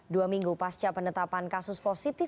dua minggu pasca penetapan kasus positif